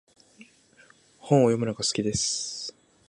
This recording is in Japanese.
本を読むのが好きです。